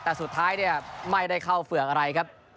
แต่สุดท้ายเนี่ยไม่ได้เข้าเฝือกอะไรครับ